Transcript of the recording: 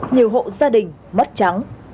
nhiều hộ gia đình mất trắng